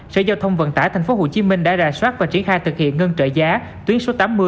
sở giao thông vận tải tp hcm đã ra soát và triển khai thực hiện ngưng trợ giá tuyến số tám mươi